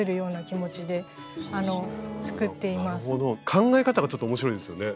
考え方がちょっと面白いですよね。